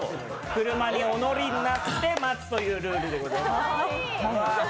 車にお乗りになって待つというルールです。